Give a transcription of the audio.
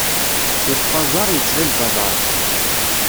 Yeṭṭef aẓar yetɣil d aṭar